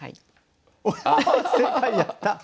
やった！